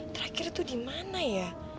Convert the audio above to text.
terakhir itu di mana ya